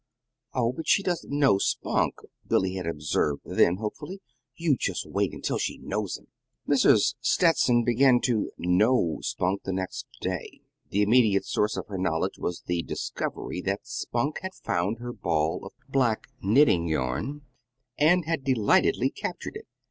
"Oh, but she doesn't know Spunk," Billy had observed then, hopefully. "You just wait until she knows him." Mrs. Stetson began to "know" Spunk the next day. The immediate source of her knowledge was the discovery that Spunk had found her ball of black knitting yarn, and had delightedly captured it.